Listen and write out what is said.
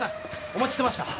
お待ちしてました。